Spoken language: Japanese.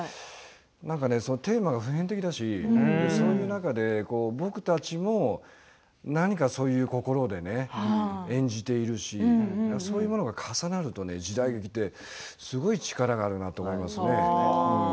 なんかテーマが普遍的だしそういう中で僕たちも何かそういう心で演じているしそういうものが重なるとね時代って注目ですね。